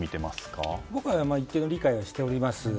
僕は一定の理解はしております。